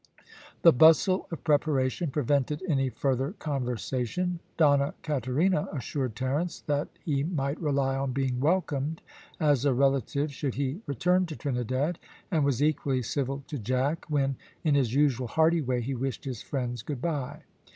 The bustle of preparation prevented any further conversation. Donna Katerina assured Terence that he might rely on being welcomed as a relative should he return to Trinidad, and was equally civil to Jack when, in his usual hearty way, he wished his friends good bye.